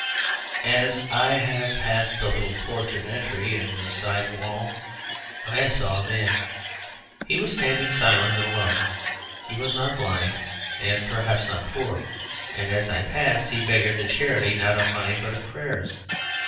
As I passed the little porch of entry in the side wall I saw a man. He was standing silent and alone; he was not blind and perhaps not poor, and as I passed he begged the charity not of money but of prayers.